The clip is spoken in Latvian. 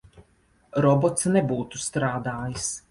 Robots nebūtu strādājis.